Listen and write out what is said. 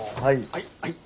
はいはい。